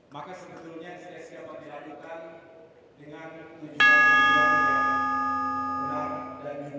maka sebetulnya diskresi apa dilakukan dengan tujuan yang benar